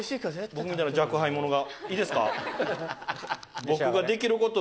僕みたいな若輩者がいいですか？